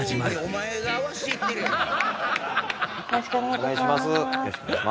よろしくお願いします。